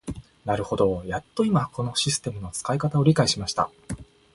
なるほど、やっと今このシステムの使い方を理解しました。